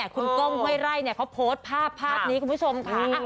คุณก้องห้วยไร่เขาโพสต์ภาพภาพนี้คุณผู้ชมค่ะ